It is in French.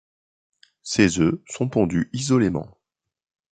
Ses œufs sont pondus isolément.